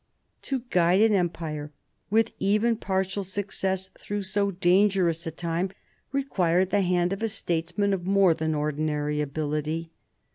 To guide an empire, with even partial success, through so dangerous a time required the hand of a statesman of more than ordinary ability.